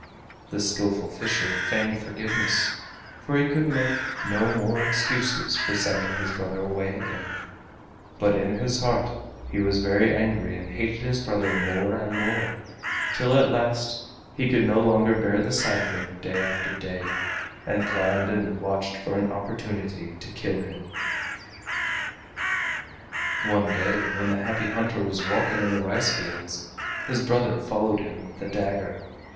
The Skillful Fisher feigned forgiveness, for he could make no more excuses for sending his brother away again, but in his heart he was very angry and hated his brother more and more, till at last he could no longer bear the sight of him day after day, and planned and watched for an opportunity to kill him. One day when the Happy Hunter was walking in the rice fields his brother followed him with a dagger.